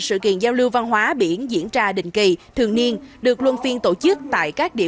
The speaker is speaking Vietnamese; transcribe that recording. một trường giao lưu văn hóa biển diễn ra đình kỳ thường niên được luân phiên tổ chức tại các địa